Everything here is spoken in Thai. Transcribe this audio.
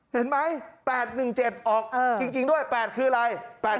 เห็นไหม๘๑๗ออกจริงด้วย๘คืออะไร